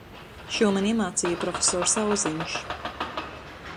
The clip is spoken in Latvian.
Šo man iemācīja profesors Auziņš.